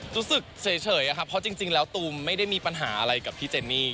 รู้สึกเฉยครับเพราะจริงแล้วตูมไม่ได้มีปัญหาอะไรกับพี่เจนี่